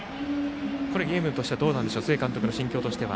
ゲームとしてはどうでしょう須江監督の心境は。